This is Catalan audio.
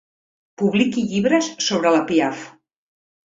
Publiqui llibres sobre la Piaff.